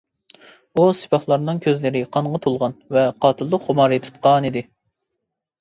ئۇ سىپاھلارنىڭ كۆزلىرى قانغا تولغان ۋە قاتىللىق خۇمارى تۇتقانىدى.